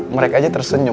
mereka aja tersenyum